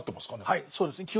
はいそうですね。